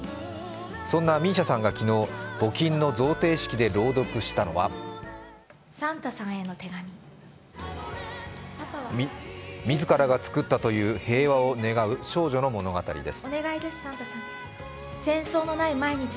そんなＭＩＳＩＡさんが昨日、募金の贈呈式で朗読したのは自らが作ったという平和を願う少女の物語です。